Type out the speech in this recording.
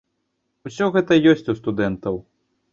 Усё гэта ёсць у студэнтаў.